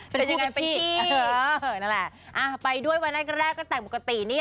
เป็นยูปเป็นที่